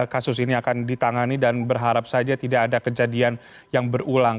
kasus ini akan ditangani dan berharap saja tidak ada kejadian yang berulang